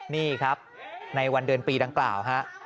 นี่ครับในวันเดือนปีดังกล่าวฮะ